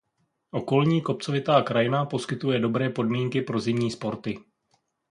Okolní kopcovitá krajina poskytuje dobré podmínky pro zimní sporty.